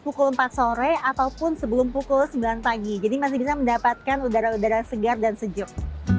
pukul empat sore ataupun sebelum pukul sembilan pagi jadi masih bisa mendapatkan udara udara segar dan sejuk